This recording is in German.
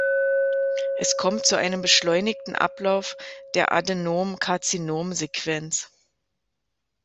Es kommt zu einem beschleunigten Ablauf der Adenom-Karzinom-Sequenz.